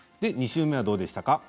２週目はどうでしたか？